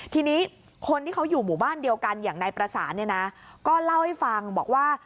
ทีนี้คนที่เขาอยู่หมู่บ้านเดียวกันอย่างนายประสานเนี่ยนะก็เล่าให้ฟังบอกว่า